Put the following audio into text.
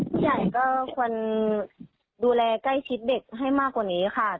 ผู้ใหญ่ก็ควรดูแลใกล้ชิดเด็กให้มากกว่านี้ค่ะ